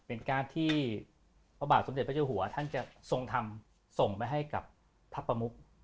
เป็นการที่พระบาทสมเด็จพระเจ้าหัวท่านจะทรงทำส่งไปให้กับพระประมุก